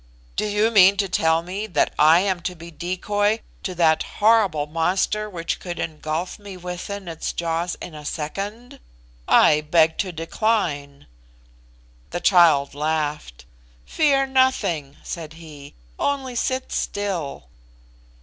"Do you mean to tell me that I am to be the decoy to that horrible monster which could engulf me within its jaws in a second! I beg to decline." The child laughed. "Fear nothing," said he; "only sit still."